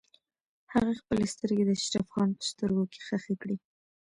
هغې خپلې سترګې د اشرف خان په سترګو کې ښخې کړې.